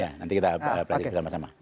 ya nanti kita pelajari bersama sama